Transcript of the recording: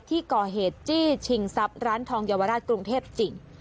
ที่ก่อเหตุจี้ชิงทรัพย์ร้านทองเยาวราชกรุงเทพจริง